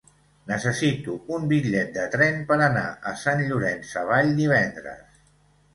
Necessito un bitllet de tren per anar a Sant Llorenç Savall divendres.